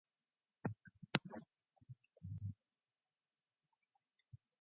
Oberland elected seven Landtag members and five substitutes.